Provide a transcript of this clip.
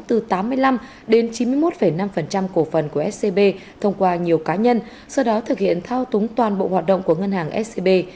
từ năm một nghìn chín trăm tám mươi năm đến chín mươi một năm cổ phần của scb thông qua nhiều cá nhân sau đó thực hiện thao túng toàn bộ hoạt động của ngân hàng scb